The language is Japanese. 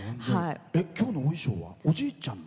きょうのお衣装はおじいちゃんの？